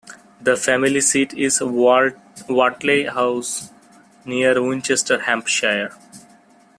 The family seat is Watley House, near Winchester, Hampshire.